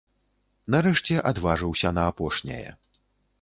Нарэшце, адважыўся на апошняе.